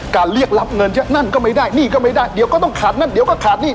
เรียกรับเงินนั่นก็ไม่ได้หนี้ก็ไม่ได้เดี๋ยวก็ต้องขาดนั่นเดี๋ยวก็ขาดหนี้